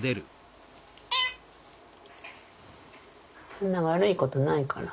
そんな悪いことないから。